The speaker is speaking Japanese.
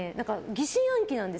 疑心暗鬼なんです。